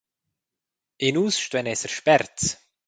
E nus stuein esser sperts.